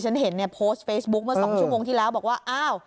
ส่วนตอนนี้ฉันเห็นโพสต์เฟซบุ๊คเมื่อสามชั่วโมงที่แล้วบอกว่า